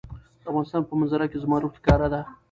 د افغانستان په منظره کې زمرد ښکاره ده.